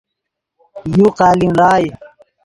یو قالین ڑائے